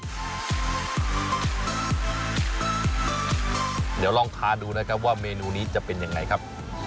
เดี๋ยวลองทานดูนะครับว่าเมนูนี้จะเป็นยังไงครับ